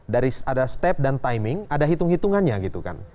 dari ada step dan timing ada hitung hitungannya gitu kan